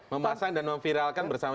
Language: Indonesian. memasang dan memviralkan bersama